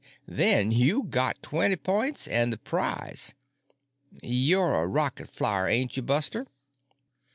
Then you got twenny points and the prize. "You're a rocket flyer, ain't you, Buster?"